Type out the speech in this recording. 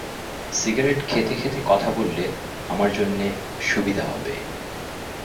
Cigarette খেতে-খেতে কথা বললে আমার জন্যে সুবিধা হবে।